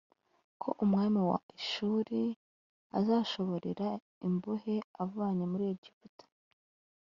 ko umwami wa Ashuri azashorera imbohe avanye muri Egiputa